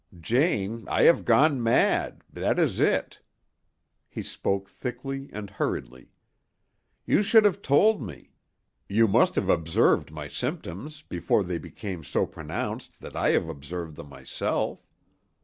"Jane, I have gone mad—that is it." He spoke thickly and hurriedly. "You should have told me; you must have observed my symptoms before they became so pronounced that I have observed them myself.